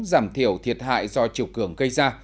giảm thiểu thiệt hại do triều cường gây ra